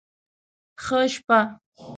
ښه شپه